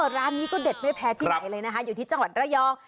ร้านนี้ก็เด็ดไม่แพ้ที่ไหนเลยนะคะอยู่ที่จังหวัดระยอง